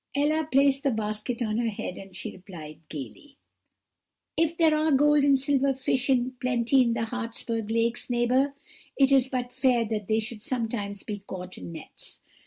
"Ella placed the basket on her head as she replied gaily: "'If there are gold and silver fish in plenty in the Hartsberg lakes, neighbour, it is but fair that they should sometimes be caught in nets.